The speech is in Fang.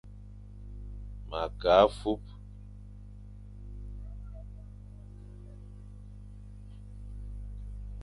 Ma ke afup.